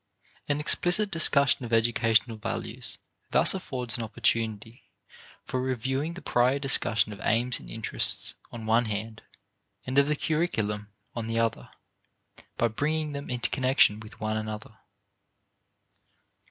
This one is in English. An explicit discussion of educational values thus affords an opportunity for reviewing the prior discussion of aims and interests on one hand and of the curriculum on the other, by bringing them into connection with one another.